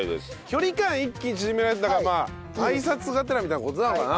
距離感一気に縮められるってだからまああいさつがてらみたいな事なのかな。